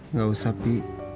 nggak usah pi